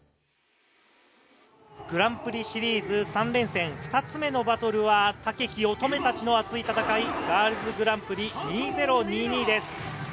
グランプリシリーズ３連戦、２つ目のバトルは猛き乙女達の熱い戦い、ガールズグランプリ２０２２です。